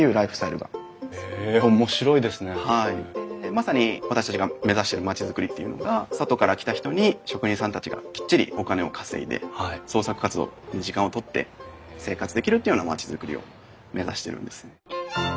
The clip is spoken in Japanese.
まさに私たちが目指している町づくりっていうのが外から来た人に職人さんたちがきっちりお金を稼いで創作活動に時間をとって生活できるっていうような町づくりを目指しているんです。